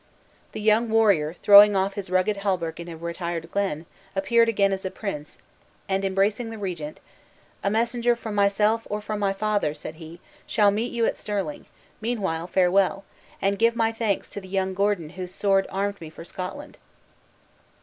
The young warrior, throwing off his rugged hauberk in a retired glen, appeared again as a prince, and embracing the regent: "A messenger from myself or from my father," said he, "shall meet you at Stirling; meanwhile, farewell! and give my thanks to the young Gordon whose sword armed me for Scotland!"